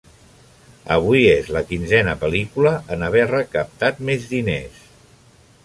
Avui és la quinzena pel·lícula en haver recaptat més diners.